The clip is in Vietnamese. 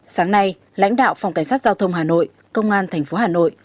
sáng nay lãnh đạo phòng cảnh sát giao thông hà nội công an tp hà nội